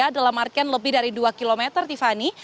dalam artian lebih dari dua km tiffany